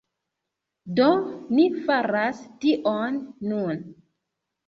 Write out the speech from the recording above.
Do, ni faras tion nun